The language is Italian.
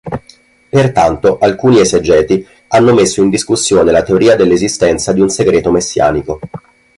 Pertanto, alcuni esegeti hanno messo in discussione la teoria dell'esistenza di un segreto messianico.